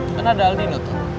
kan ada aldino tuh